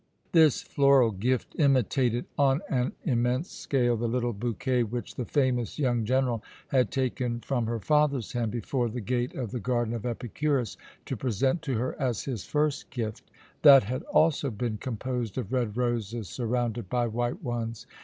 This floral gift imitated, on an immense scale, the little bouquet which the famous young general had taken from her father's hand before the gate of the garden of Epicurus to present to her as his first gift. That had also been composed of red roses, surrounded by white ones.